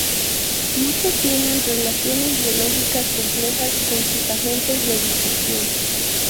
Muchos tienen relaciones biológicas complejas con sus agentes de dispersión.